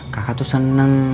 kakak tuh seneng